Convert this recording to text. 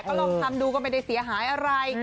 ก็ลองทำดูก็ไม่ได้เสียหายอะไร